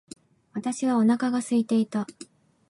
私はお腹が空いていた。